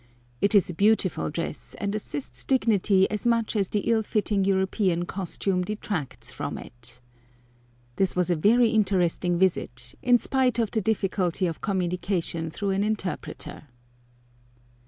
It is a beautiful dress, and assists dignity as much as the ill fitting European costume detracts from it. This was a very interesting visit, in spite of the difficulty of communication through an interpreter.